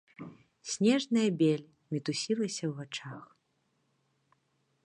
Снежная бель мітусілася ў вачах.